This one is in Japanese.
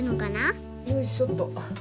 よいしょっと。